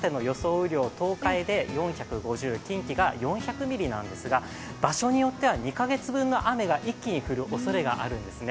雨量、東海で４５０ミリ、近畿が４００ミリなんですが場所によっては２か月分の雨が一気に降るおそれがあるんですね。